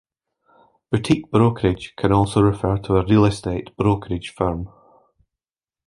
Boutique brokerage can also refer to a real estate brokerage firm.